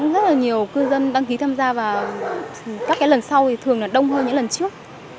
rất là nhiều cư dân đăng ký tham gia vào các lần sau thì thường là đông hơn những lần trước